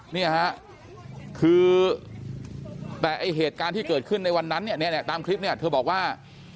เนี่ยฮะคือแต่ไอ้เหตุการณ์ที่เกิดขึ้นในวันนั้นเนี่ยตามคลิปเนี่ยเธอบอกว่า